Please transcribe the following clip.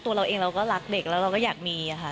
ตัวเราเองเราก็รักเด็กแล้วเราก็อยากมีค่ะ